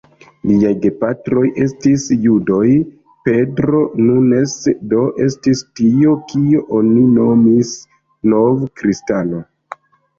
Liaj gepatroj estis judoj; Pedro Nunes do estis tio, kion oni nomis "nov-kristano".